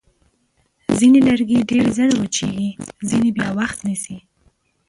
ځینې لرګي ډېر ژر وچېږي، ځینې بیا وخت نیسي.